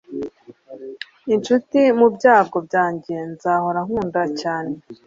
inshuti mubyago byanjye nzahora nkunda cyane